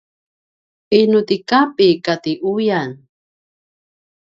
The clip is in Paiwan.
inu ti kapi kati uyan?